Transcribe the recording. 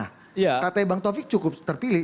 katanya bang taufik cukup terpilih